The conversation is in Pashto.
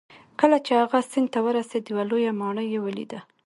کله چې هغه سیند ته ورسید یوه لویه ماڼۍ یې ولیده.